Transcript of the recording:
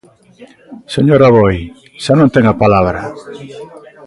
Señor Aboi, xa non ten a palabra.